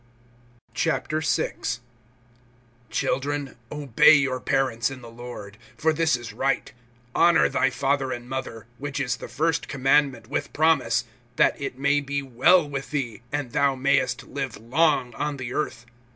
VI. CHILDREN, obey your parents, in the Lord; for this is right. (2)Honor thy father and mother, which is the first commandment with promise, (3)that it may be well with thee, and thou mayest live long on the earth.